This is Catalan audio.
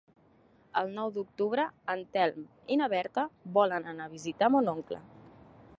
El nou d'octubre en Telm i na Berta volen anar a visitar mon oncle.